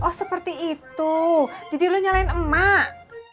oh seperti itu jadi lo nyalain emak